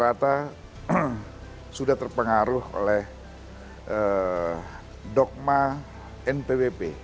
rata rata sudah terpengaruh oleh dogma npwp